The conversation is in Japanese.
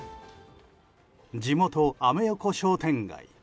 地元・アメ横商店街。